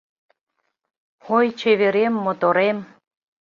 Ой, чеверем, моторем